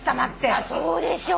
そうでしょう。